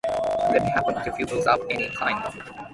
That happens to few books of any kind.